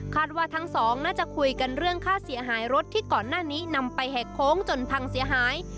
ว่าทั้งสองน่าจะคุยกันเรื่องค่าเสียหายรถที่ก่อนหน้านี้นำไปแหกโค้งจนพังเสียหาย